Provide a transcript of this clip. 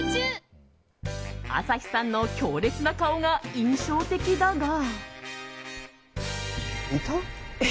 朝日さんの強烈な顔が印象的だが。